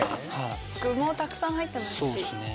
具もたくさん入ってますね。